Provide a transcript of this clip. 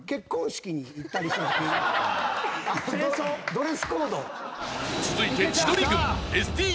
ドレスコード。